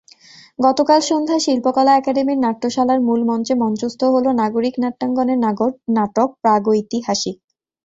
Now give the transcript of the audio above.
গতকাল সন্ধ্যায় শিল্পকলা একাডেমীর নাট্যশালার মূলমঞ্চে মঞ্চস্থ হলো নাগরিক নাট্যাঙ্গনের নাটক প্রাগৈতিহাসিক।